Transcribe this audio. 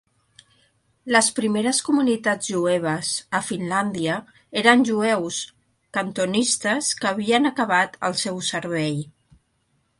Les primeres comunitats jueves a Finlàndia eren jueus cantonistes que havien acabat el seu servei.